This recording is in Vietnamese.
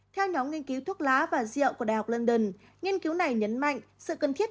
theo nhóm nghiên cứu thuốc lá và rượu của đại học london nghiên cứu này nhấn mạnh sự cần thiết